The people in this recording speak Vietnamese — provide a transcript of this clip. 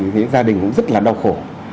thì gia đình cũng rất là đau khổ